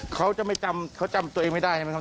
เขาจะไม่จำตัวเองมาให้ไหมครับ